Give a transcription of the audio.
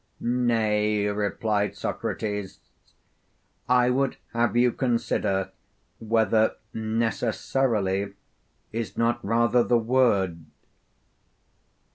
Nay, replied Socrates, I would have you consider whether 'necessarily' is not rather the word.